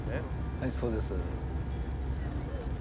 はいそうです。